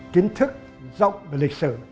kiến thức rộng về lịch sử